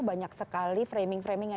banyak sekali framing framing yang